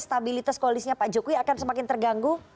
stabilitas koalisnya pak jokowi akan semakin terganggu